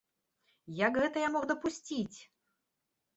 Як гэта я мог дапусціць!